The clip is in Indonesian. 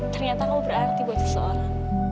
ternyata kau berarti buat seseorang